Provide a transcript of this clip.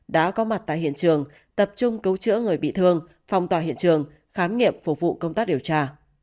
đã có mặt tại hiện trường tập trung cứu chữa người bị thương phong tỏa hiện trường khám nghiệm phục vụ công tác điều tra